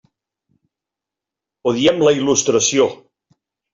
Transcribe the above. Odiem la il·lustració.